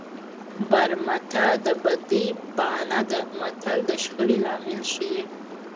برمته د بدۍ بانه ده متل د شخړې لامل ښيي